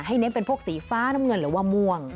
เน้นเป็นพวกสีฟ้าน้ำเงินหรือว่าม่วง